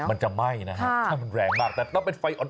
มันจะไหม้นะฮะถ้ามันแรงมากแต่ต้องเป็นไฟอ่อน